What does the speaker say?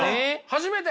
初めて！